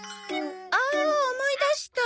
ああ思い出した。